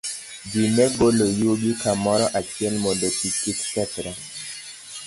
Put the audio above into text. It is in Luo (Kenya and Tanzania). Ji ne golo yugi kamoro achiel mondo pi kik kethre.